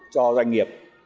cho doanh nghiệp